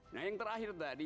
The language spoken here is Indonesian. nah yang terakhir tadi